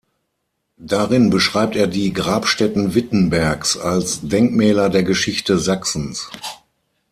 Darin beschreibt er die Grabstätten Wittenbergs als Denkmäler der Geschichte Sachsens.